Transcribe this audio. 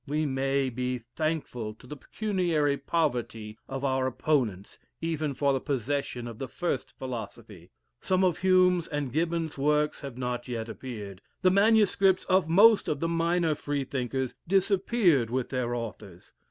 We may be thankful to the pecuniary poverty of our opponents even for the possession of the first philosophy. Some of Hume's and Gibbon's works have not yet appeared. The MSS. of most of the minor Freethinkers disappeared with their authors.